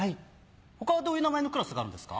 他はどういう名前のクラスがあるんですか？